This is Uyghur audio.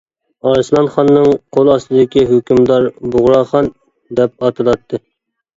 ئارسلان خاننىڭ قول ئاستىدىكى ھۆكۈمدار «بۇغراخان» دەپ ئاتىلاتتى.